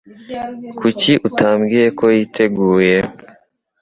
Kuki utambwiye ko yiteguye?